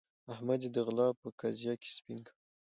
احمد يې د غلا په قضيه کې سپين کړ.